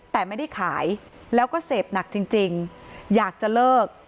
แต่ไม่ได้ขายแล้วก็เสพหนักจริงอยากจะเลิก